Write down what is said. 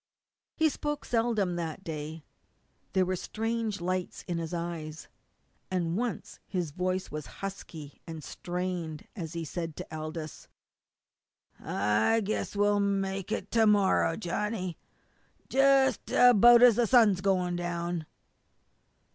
He spoke seldom that day. There were strange lights in his eyes. And once his voice was husky and strained when he said to Aldous: "I guess we'll make it to morrow, Johnny jus' about as the sun's going down."